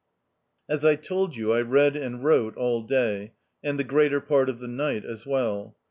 As I told you, I read and wrote all day, and the greater part of the night as well.